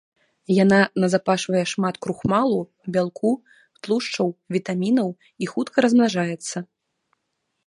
Яна назапашвае шмат крухмалу, бялку, тлушчаў, вітамінаў і хутка размнажаецца.